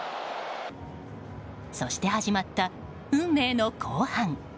そして始まった運命の後半。